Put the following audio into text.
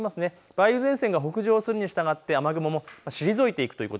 梅雨前線が北上していくにしたがって雨雲、退いていきます。